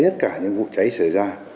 tất cả những vụ cháy xảy ra